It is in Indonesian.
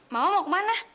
mama mau kemana